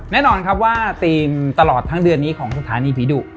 แน่นอนครับว่าทีมตลอดทั้งเดือนนี้ของสถานีผีดุ